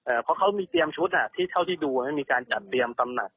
เพราะเขามีเตรียมชุดอ่ะที่เท่าที่ดูมีการจัดเตรียมตำหนัก